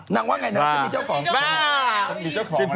นางว่ายังไงนางจะมีเจ้าของ